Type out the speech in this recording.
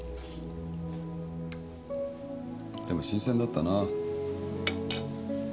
でも新鮮だったな。